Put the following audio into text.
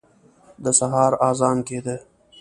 د سهار اذان کېده.